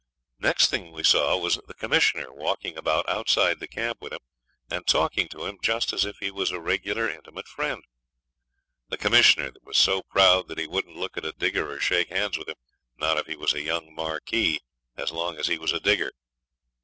Next thing we saw was the Commissioner walking about outside the camp with him, and talking to him just as if he was a regular intimate friend. The Commissioner, that was so proud that he wouldn't look at a digger or shake hands with him, not if he was a young marquis, as long as he was a digger.